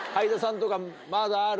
まだある？